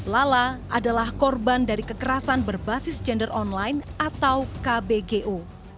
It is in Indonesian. lala adalah korban dari kekerasan berbasis gender online atau kbgo